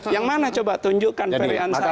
yang mana coba tunjukkan pak ansori